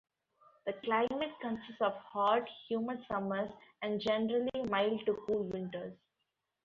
The climate consists of hot, humid summers and generally mild to cool winters.